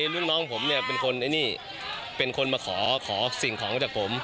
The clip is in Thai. ลูกน้องผมเป็นคนมาขอสิ่งของจากผม